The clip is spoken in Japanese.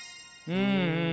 うん。